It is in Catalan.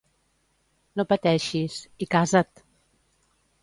No pateixis... i casa't!